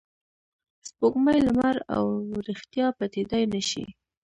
سپوږمۍ، لمر او ریښتیا پټېدای نه شي.